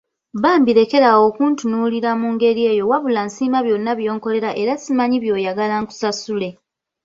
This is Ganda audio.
Bambi lekera awo okuntunuulira mu ngeri eyo wabula nsiima byonna byonkolera era simanyi by’oyagala nkusasule.